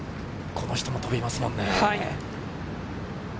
この人も飛びますものね。